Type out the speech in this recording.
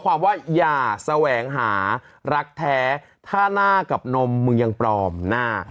ความว่าอย่าแสวงหารักแท้ถ้าหน้ากับนมมึงยังปลอมหน้า